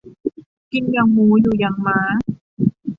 กินอย่างหมู อยู่อย่างหมา